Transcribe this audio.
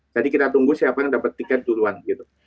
kita tunggu siapa yang dapat tiket duluan gitu